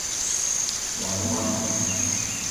Gnong i moni bidi